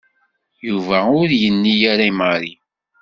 Yuba ur yenni ara i Mary.